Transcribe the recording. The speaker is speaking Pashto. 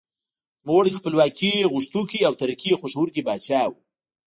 نوموړی خپلواکي غوښتونکی او ترقي خوښوونکی پاچا و.